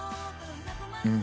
うん。